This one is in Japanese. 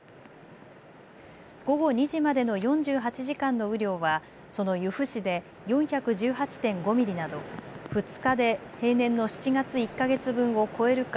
午後２時までの４８時間の雨量はその由布市で４１８．５ミリなど２日で平年の７月１か月分を超えるか